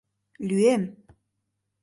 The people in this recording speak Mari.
— Лӱем!